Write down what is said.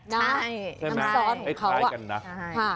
ใช่น้ำซ้อนของเขาอ่ะ